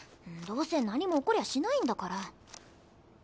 どうせ何も起こりゃしないんだから。